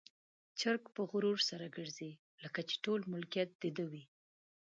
چرګ په غرور سره ګرځي، لکه چې ټول ملکيت د ده وي.